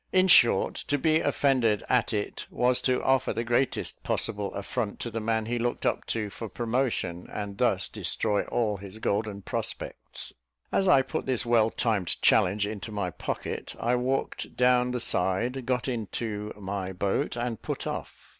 In short, to be offended at it, was to offer the greatest possible affront to the man he looked up to for promotion, and thus destroy all his golden prospects. As I put this well timed challenge into my pocket, I walked down the side, got into my boat, and put off.